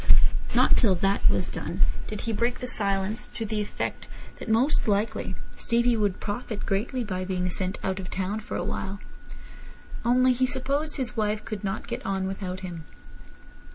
Not till that was done did he break the silence, to the effect that most likely Stevie would profit greatly by being sent out of town for a while; only he supposed his wife could not get on without him.